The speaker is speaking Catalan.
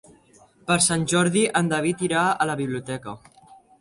Per Sant Jordi en David irà a la biblioteca.